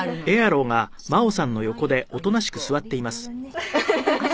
ハハハハ。